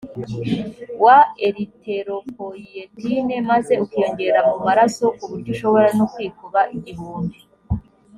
wa eritoropoyiyetine maze ukiyongera mu maraso ku buryo ushobora no kwikuba incuro igihumbi